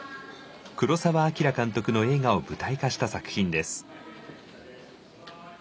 黒澤明監督の映画を舞台化した作品です。